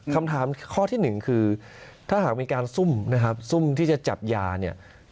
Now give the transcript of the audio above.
คำถามข้อที่หนึ่งคือถ้าหากมีการซุ่มนะครับซุ่มที่จะจับยาเนี่ย